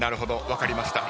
分かりました。